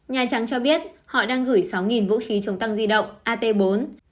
nhà trắng cho biết họ đang gửi sáu vũ khí chống tăng di động